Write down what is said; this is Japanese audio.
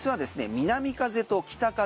南風と北風